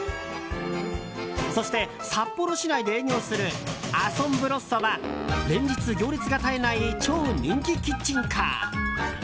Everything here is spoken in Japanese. そして、札幌市内で営業するＡＳＯＭＢＲＯＳＯは連日行列が絶えない超人気キッチンカー。